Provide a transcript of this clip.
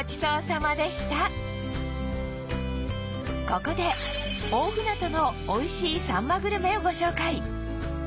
ここで大船渡の美味しいさんまグルメをご紹介